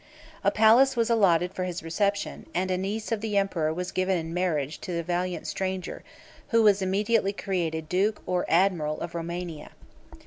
A palace was allotted for his reception, and a niece of the emperor was given in marriage to the valiant stranger, who was immediately created great duke or admiral of Romania.